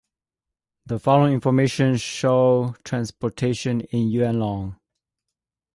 The following information show transportation in Yuen Long.